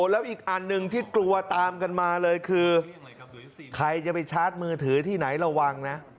แล้วอีกอันหนึ่งที่กลัวตามกันมาเลยคือใครจะไปชาร์จมือถือที่ไหนระวังนะ